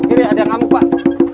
ini ada yang ngamuk pak